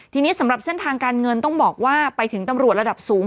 ทีนี้สำหรับเส้นทางการเงินต้องบอกว่าไปถึงตำรวจระดับสูง